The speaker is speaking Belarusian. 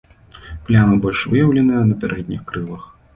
Плямы больш выяўленыя на пярэдніх крылах.